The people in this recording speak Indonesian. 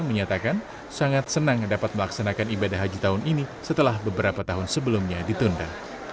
menyatakan sangat senang dapat melaksanakan ibadah haji tahun ini setelah beberapa tahun sebelumnya ditunda